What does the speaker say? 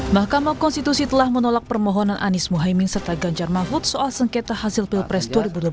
mahkamah konstitusi telah menolak permohonan anies mohaimin serta ganjar mahfud soal sengketa hasil pilpres dua ribu dua puluh empat